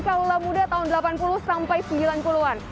kaula muda tahun delapan puluh sampai sembilan puluh an